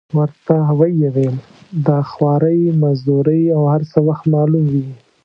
ورته ویې ویل: د خوارۍ مزدورۍ او هر څه وخت معلوم وي.